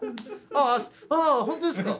ああ本当ですか。